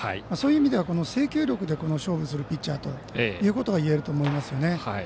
そういう意味では制球力で勝負するピッチャーということがいえると思いますよね。